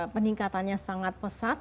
peningkatannya sangat pesat